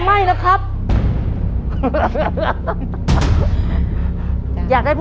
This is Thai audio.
ไม่นะแม่